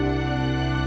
mas ganti tuh